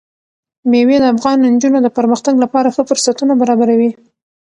مېوې د افغان نجونو د پرمختګ لپاره ښه فرصتونه برابروي.